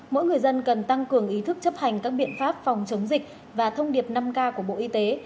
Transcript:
mỗi người dân cần tăng cường ý thức chấp hành các biện pháp phòng chống dịch và thông điệp năm k của bộ y tế